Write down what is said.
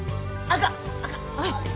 あっ。